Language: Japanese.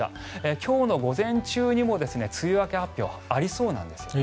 今日の午前中にも梅雨明け発表がありそうなんですよね。